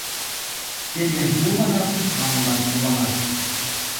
Темен пу, манам, Мамулай кувалан.